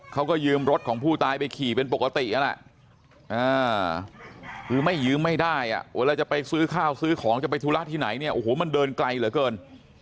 เขาก็ยืมรถของผู้ตายไปขี่เป็นปกตินั่นแหละคือไม่ยืมไม่ได้เวลาจะไปซื้อข้าวซื้อของจะไปธุระที่ไหนเนี่ยโอ้โหมันเดินไกลเหลือเกิน